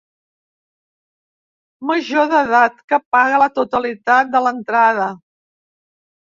Major d'edat que paga la totalitat de l'entrada.